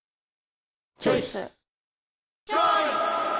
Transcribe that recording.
チョイス！